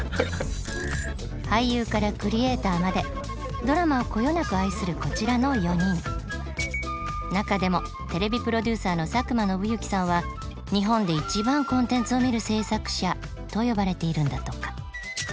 俳優からクリエーターまで中でもテレビプロデューサーの佐久間宣行さんは日本で一番コンテンツを見る制作者と呼ばれているんだとか。